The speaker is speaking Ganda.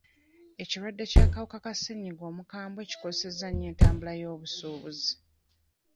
Ekirwadde ky'akawuka ka ssenyiga omukambwe kikosezza nnyo entambula y'obusuubuzi.